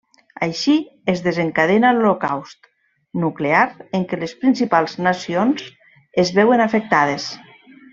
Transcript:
Així, es desencadena l'holocaust nuclear en què les principals nacions es veuen afectades.